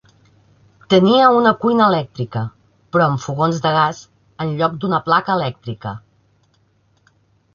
Tenia una cuina elèctrica, però amb fogons de gas en lloc d'una placa elèctrica.